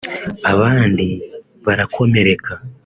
abandi barakomereka